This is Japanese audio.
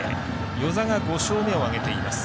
與座が５勝目を挙げています。